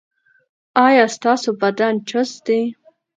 ایا ستاسو بدن چست دی؟